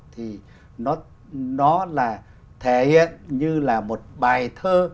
thì nó là thể hiện như là một bài thơ